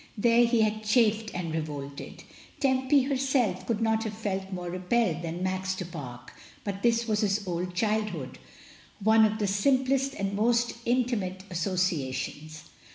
There he had chafed and revolted. Tempy herself could not have felt more repelled than Max du Pare; but this was his whole childhood, one of his simplest and most intimate associations.